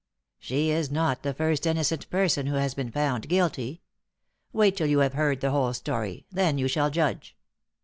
"She is not the first innocent person who has been found guilty. Wait till you have heard the whole story, then you shall judge."